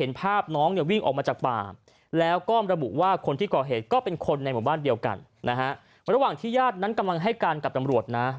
ตอนที่ญาตินั้นกำลังให้กันกับตำรวจนะ